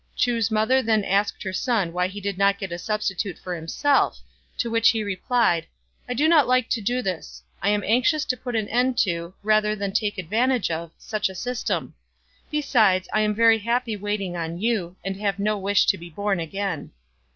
Chu's mother then asked her son why he did not get a substitute for himself; to which he replied, " I do not like to do this. I am anxious to put an end to, rather than take advantage of, such a system. Besides, I am very happy waiting on you, and have no wish to be born again."